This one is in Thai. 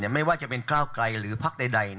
ไม่ว่าจะเป็นก้าวไกลหรือพักใด